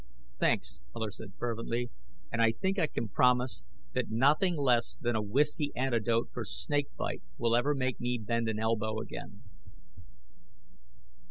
"Thanks!" Miller said fervently. "And I think I can promise that nothing less than a whiskey antidote for snake bite will ever make me bend an elbow again!"